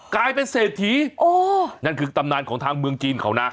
กลายเป็นเศรษฐีโอ้นั่นคือตำนานของทางเมืองจีนเขานะ